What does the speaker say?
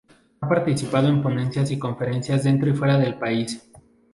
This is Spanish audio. Ha participado en ponencias y conferencias dentro y fuera del país.